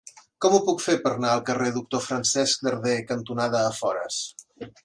Com ho puc fer per anar al carrer Doctor Francesc Darder cantonada Afores?